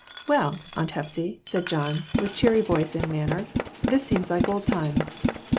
"Well, Aunt Hepsy," said John, with cheery voice and manner, "this seems like old times."